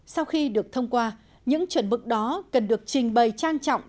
sau khi được thông qua những chuẩn mực đó cần được trình bày trang trọng